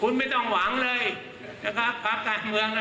คุณไม่ต้องหวังเลยนะครับพักการเมืองน่ะ